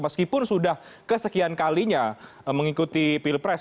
meskipun sudah kesekian kalinya mengikuti pilpres